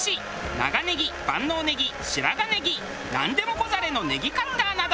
長ネギ万能ネギ白髪ネギなんでもござれのネギカッターなど。